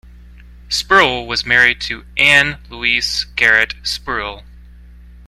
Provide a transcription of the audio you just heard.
Spruill was married to Anne Louise Garrett Spruill.